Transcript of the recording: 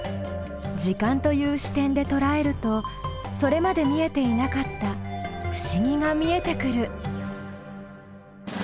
「時間」という視点でとらえるとそれまで見えていなかった不思議が見えてくる。